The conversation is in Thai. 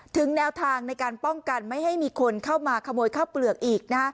แนวทางในการป้องกันไม่ให้มีคนเข้ามาขโมยข้าวเปลือกอีก